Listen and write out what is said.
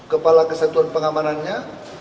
kepala kesatuan pengamanannya